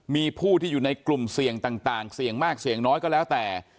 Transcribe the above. มีผู้ที่อยู่ในกลุ่มเสี่ยงต่างเสี่ยงมากเสี่ยงน้อยก็แล้วแต่